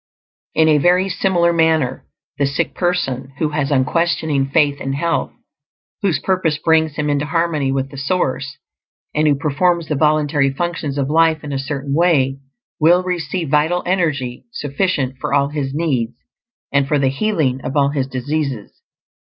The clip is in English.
In a very similar manner, the sick person who has unquestioning faith in health, whose purpose brings him into harmony with the source, and who performs the voluntary functions of life in a certain way, will receive vital energy sufficient for all his needs, and for the healing of all his diseases.